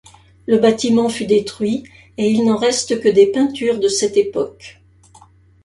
Le bâtiment fut détruit et il n'en reste que des peintures de cette époque.